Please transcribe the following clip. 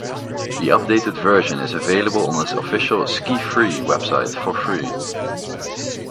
The updated version is available on his official SkiFree website for free.